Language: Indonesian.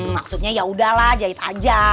maksudnya ya udahlah jahit aja